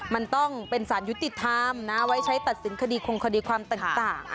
มันต้องเป็นสารยุติธรรมนะไว้ใช้ตัดสินคดีคงคดีความต่าง